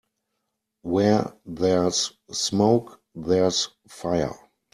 Where there's smoke there's fire.